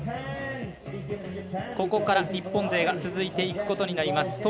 ここから日本勢が続いていくことになります。